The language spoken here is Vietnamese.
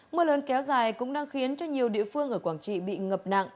mưa lớn kéo dài cũng đang khiến cho nhiều địa phương ở quảng trị bị ngập nặng